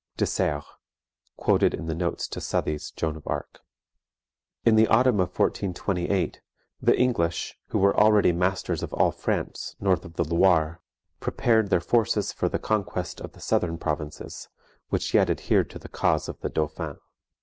[De Serres, quoted in the notes to Southey's Joan of Arc.] In the autumn of 1428, the English, who were already masters of all France north of the Loire, prepared their forces for the conquest of the southern provinces, which yet adhered to the cause of the Dauphin.